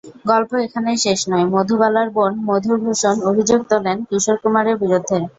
গল্প এখানেই শেষ নয়, মধুবালার বোন মধুর ভূষণ অভিযোগ তোলেন কিশোর কুমারের বিরুদ্ধে।